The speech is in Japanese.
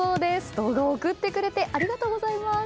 動画を送ってくれてありがとうございます。